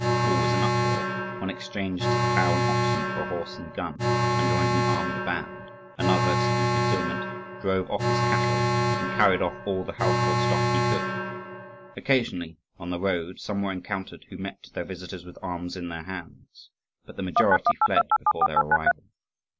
All was in an uproar: one exchanged his plough and oxen for a horse and gun, and joined an armed band; another, seeking concealment, drove off his cattle and carried off all the household stuff he could. Occasionally, on the road, some were encountered who met their visitors with arms in their hands; but the majority fled before their arrival.